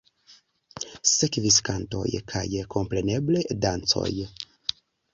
Sekvis kantoj kaj kompreneble dancoj.